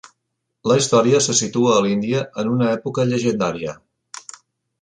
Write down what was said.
La història se situa a l'Índia en una època llegendària.